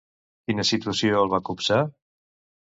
Quina situació el va copsar?